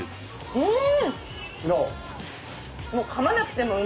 うん。